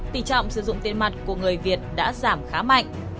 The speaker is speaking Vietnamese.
tỷ trọng sử dụng tiền mặt của người việt đã giảm khá mạnh